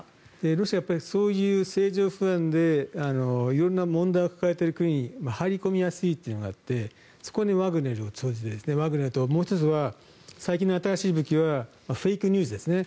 ロシアはそういう政情不安で色んな問題を抱えている国に入り込みやすいというのがあってそこにワグネルを通じてワグネルともう１つは最近の新しい武器はフェイクニュースですね。